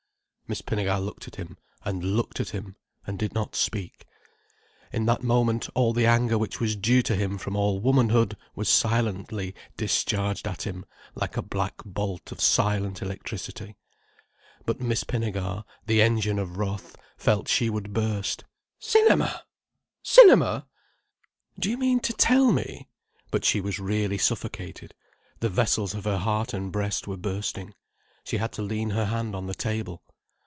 Miss Pinnegar looked at him, and looked at him, and did not speak. In that moment all the anger which was due to him from all womanhood was silently discharged at him, like a black bolt of silent electricity. But Miss Pinnegar, the engine of wrath, felt she would burst. "Cinema! Cinema! Do you mean to tell me—" but she was really suffocated, the vessels of her heart and breast were bursting. She had to lean her hand on the table.